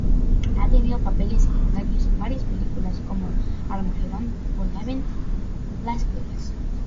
Ha tenido papeles secundarios en varias películas como "Armageddon" o "Leaving Las Vegas".